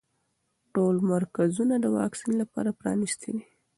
ټول مرکزونه د واکسین لپاره پرانیستي دي.